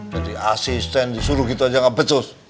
jadi asisten disuruh gitu aja gak becus